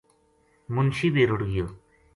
منشی بے رُڑ گیو